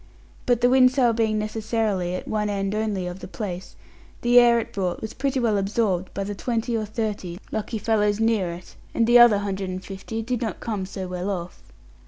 But the wind sail, being necessarily at one end only of the place, the air it brought was pretty well absorbed by the twenty or thirty lucky fellows near it, and the other hundred and fifty did not come so well off.